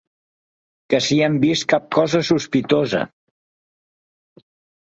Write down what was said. Que si hem vist cap cosa sospitosa.